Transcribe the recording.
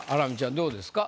どうですか？